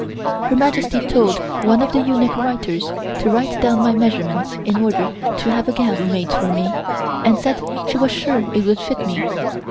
Her Majesty told one of the eunuch writers to write down my measurements in order to have a gown made for me, and said she was sure it would fit me.